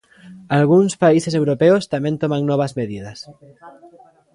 Algúns países europeos tamén toman novas medidas.